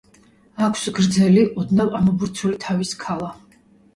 აქვს გრძელი, ოდნავ ამობურცული თავის ქალა.